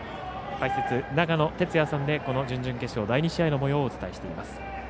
解説、長野哲也さんでこの準々決勝第２試合のもようをお伝えしています。